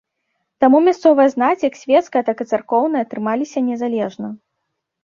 Таму мясцовая знаць, як свецкая, так і царкоўная трымаліся незалежна.